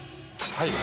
はい。